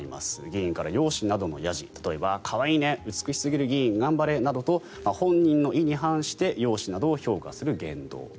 議員から、容姿などのやじ例えば可愛いね美しすぎる議員、頑張れなど本人の意に反して容姿などを評価する言動。